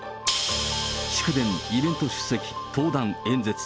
祝電、イベント出席、登壇、演説。